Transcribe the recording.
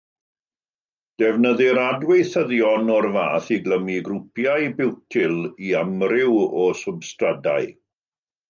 Defnyddir adweithyddion o'r fath i glymu grwpiau biwtyl i amryw o swbstradau.